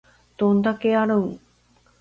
どんだけやるん